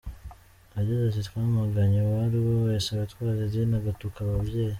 Yagize ati « Twamaganye uwari we wese witwaza idini agatuka ababyeyi.